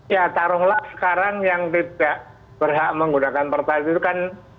ya taruhlah sekarang yang tidak berhak menggunakan pertalite itu kan